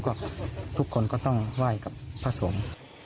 ก็ทุกคนก็ต้องไหว้กับพระสงฆ์